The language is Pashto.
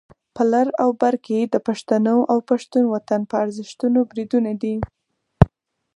په لر او بر کې د پښتنو او پښتون وطن پر ارزښتونو بریدونه دي.